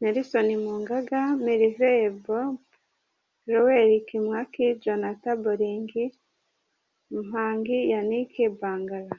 Nelson Munganga, Merveille Bope, Joel Kimwaki, Johnattan Bolingi Mpangi, Yannick Bangala.